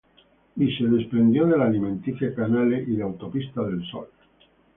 Y se desprendió de la alimenticia Canale y de Autopistas del Sol.